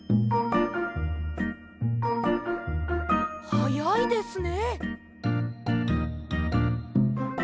はやいですね。